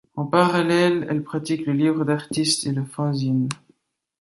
En parallèle, elle pratique le livre d'artiste et le fanzine.